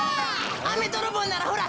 アメどろぼうならほら